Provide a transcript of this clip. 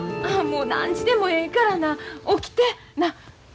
ああもう何時でもええから起きてなあ。